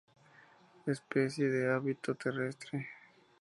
Especie de hábito terrestre.